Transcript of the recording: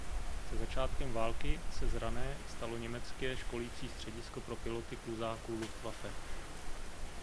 Se začátkem války se z Rané stalo německé školící středisko pro piloty kluzáků Luftwaffe.